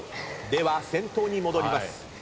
では先頭に戻ります。